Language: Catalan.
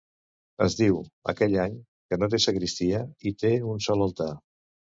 Es diu, aquell any, que no té sagristia, i té un sol altar.